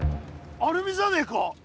アルミじゃねえか？